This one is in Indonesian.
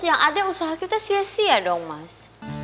yang ada usaha kita sia sia dong mas